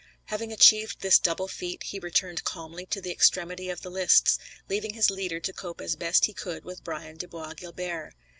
Having achieved this double feat, he returned calmly to the extremity of the lists, leaving his leader to cope as best he could with Brian de Bois Guilbert.